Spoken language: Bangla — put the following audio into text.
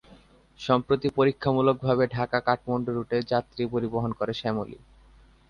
সম্প্রতি পরীক্ষামূলকভাবে ঢাকা-কাঠমান্ডু রুটে যাত্রী পরিবহন করে শ্যামলী।